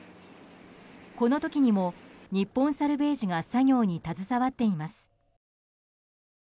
この時にも日本サルヴェージが作業に携わっています。